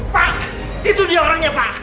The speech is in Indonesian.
pak itu dia orangnya pak